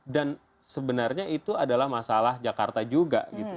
dan sebenarnya itu adalah masalah jakarta juga